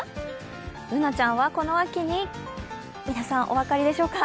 Ｂｏｏｎａちゃんはこの秋に皆さんお分かりでしょうか？